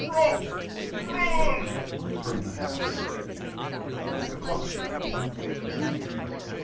"Robbed ruined!" from the house. The clock struck two.